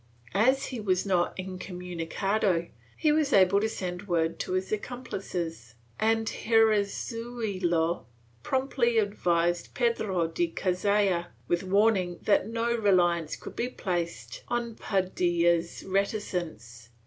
As he was not incomunicado he was able to send word to his accom plices and Herrezuelo promptly advised Pedro de Cazalla, with warning that no reliance could be placed on Padilla's reticence.